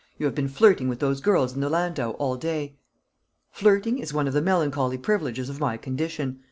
You have been flirting with those girls in the landau all day." "Flirting is one of the melancholy privileges of my condition.